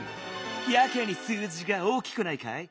やけに数字が大きくないかい？